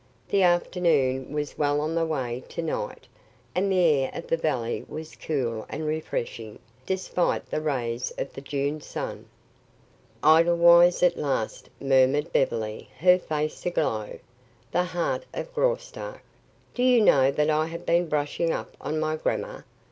The afternoon was well on the way to night, and the air of the valley was cool and refreshing, despite the rays of the June sun. "Edelweiss at last," murmured Beverly, her face aglow. "The heart of Graustark. Do you know that I have been brushing up on my grammar?